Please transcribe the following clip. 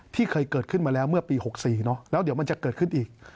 เคยเกิดขึ้นมาแล้วเมื่อปี๖๔แล้วเดี๋ยวมันจะเกิดขึ้นอีก